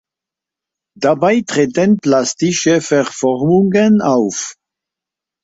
Dabei treten plastische Verformungen auf.